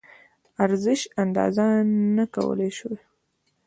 ارزش اندازه نه کولی شو.